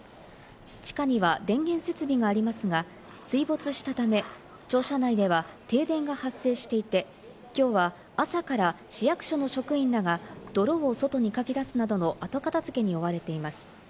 地下には電源設備がありますが、水没したため、庁舎内では停電が発生していて、きょうは朝から市役所の職員らが泥を外にかき出すなどの後片付けに追われています。